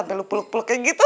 sampai lu peluk peluknya gitu